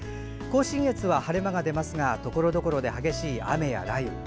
甲信越は晴れ間が出ますがところどころで激しい雨や雷雨。